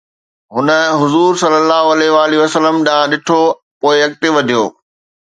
هن حضور ﷺ ڏانهن ڏٺو، پوءِ اڳتي وڌيو